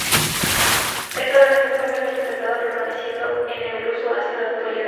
Esta ordenación fue ampliamente aceptada, permaneciendo en uso hasta la actualidad.